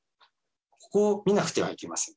ここを見なくてはいけません。